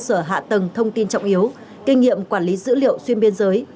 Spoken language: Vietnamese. cơ sở hạ tầng thông tin trọng yếu kinh nghiệm quản lý dữ liệu xuyên biên giới